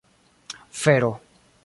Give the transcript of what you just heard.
fero